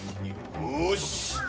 よし！